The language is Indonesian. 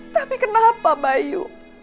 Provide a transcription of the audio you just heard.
tapi kenapa bayu